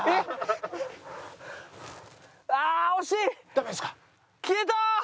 ダメですか？